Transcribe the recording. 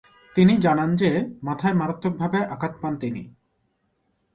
তিনি জানান যে, মাথায় মারাত্মকভাবে আঘাত পান তিনি।